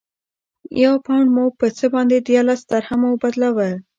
یو پونډ مو په څه باندې دیارلس درهمو بدلاوه.